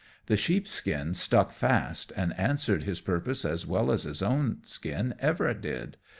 The sheep skin stuck fast, and answered his purpose as well as his own skin ever did.